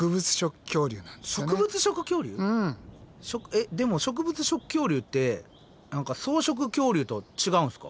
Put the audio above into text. えっでも植物食恐竜って何か草食恐竜とは違うんすか？